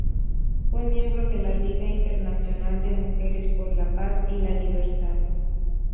Fue miembro de la Liga Internacional de Mujeres por la Paz y la Libertad.